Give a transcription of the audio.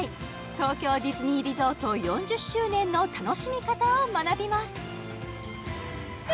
東京ディズニーリゾート４０周年の楽しみ方を学びます